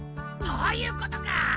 そういうことか！